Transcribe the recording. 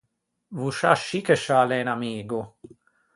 Voscià scì che scià l’é un amigo!